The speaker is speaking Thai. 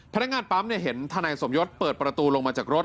พนักงานปั๊มเห็นทนายสมยศเปิดประตูลงมาจากรถ